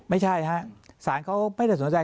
ไม่ใช่ฮะสารเขาไม่ได้สนใจ